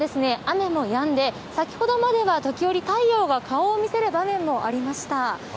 現在は雨もやんで先ほどまでは時折、太陽が顔を見せる場面もありました。